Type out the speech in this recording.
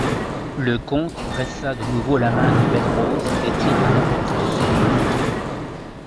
Le comte pressa de nouveau la main de Belle-Rose et tira la porte sur lui.